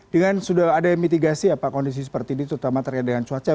dengan sudah ada mitigasi apa kondisi seperti ini terutama terkait dengan cuaca